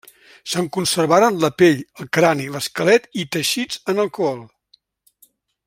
Se'n conservaren la pell, el crani, l'esquelet i teixits en alcohol.